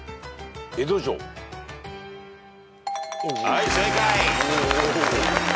はい正解。